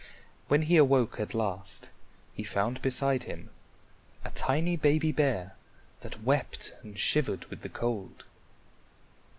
When he awoke at last, he found beside him a tiny baby bear that wept and shivered with the cold.